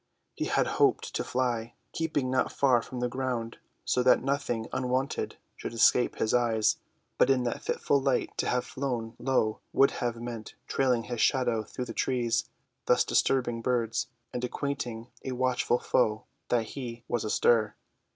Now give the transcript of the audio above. He had hoped to fly, keeping not far from the ground so that nothing unwonted should escape his eyes; but in that fitful light to have flown low would have meant trailing his shadow through the trees, thus disturbing birds and acquainting a watchful foe that he was astir.